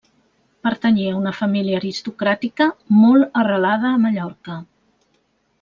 Pertanyia a una família aristocràtica molt arrelada a Mallorca.